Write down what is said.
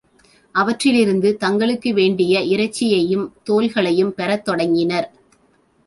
அவற்றிலிருந்து தங்களுக்கு வேண்டிய இறைச்சியையும், தோல்களையும் பெறத் தொடங்கினர்.